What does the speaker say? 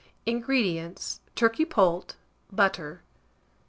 INGREDIENTS. Turkey poult; butter.